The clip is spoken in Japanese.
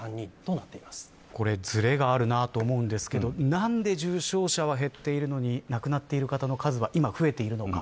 これずれがあるなと思いますがなんで重症者は減っているのに亡くなっている方の数は今、増えているのか。